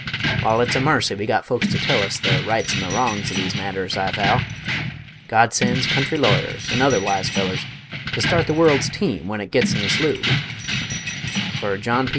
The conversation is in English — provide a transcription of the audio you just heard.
Wall, it's a marcy we've gut folks to tell us The rights an' the wrongs o' these matters, I vow, God sends country lawyers, an' other wise fellers, To start the world's team wen it gits in a slough; Fer John P.